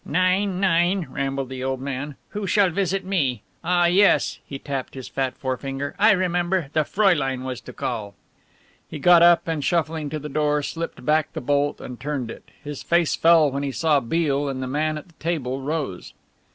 "Nein, nein," rambled the old man, "who shall visit me? Ah yes" he tapped his fat forefinger "I remember, the Fräulein was to call." He got up and, shuffling to the door, slipped back the bolt and turned it. His face fell when he saw Beale, and the man at the table rose.